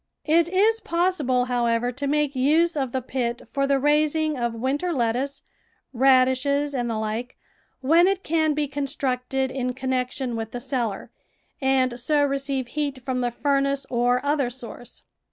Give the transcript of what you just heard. It is possible, however, to make use of the pit for the raising of winter lettuce, radishes, and the like, when it can be constructed in connection with the cellar, and so receive heat from the furnace or other source.